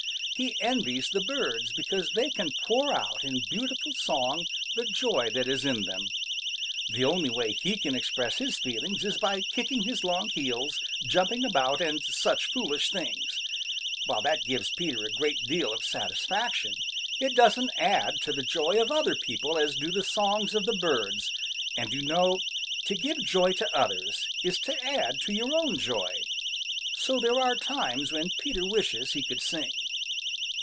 He envies the birds because they can pour out in beautiful song the joy that is in them. The only way he can express his feelings is by kicking his long heels, jumping about, and such foolish things. While that gives Peter a great deal of satisfaction, it doesn't add to the joy of other people as do the songs of the birds, and you know to give joy to others is to add to your own joy. So there are times when Peter wishes he could sing.